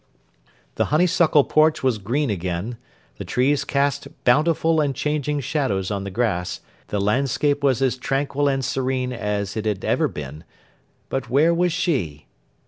The honey suckle porch was green again, the trees cast bountiful and changing shadows on the grass, the landscape was as tranquil and serene as it had ever been; but where was she!